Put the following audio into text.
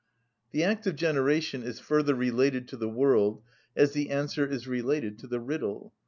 The act of generation is further related to the world, as the answer is related to the riddle.